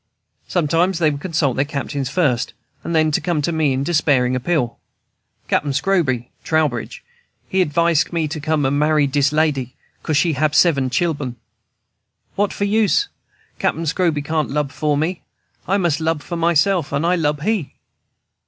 Sometimes they would consult their captains first, and then come to me in despairing appeal. "Cap'n Scroby [Trowbridge] he acvise me not for marry dis lady, 'cause she hab seben chil'en. What for use? Cap'n Scroby can't lub for me. I mus' lub for myself, and I lub he."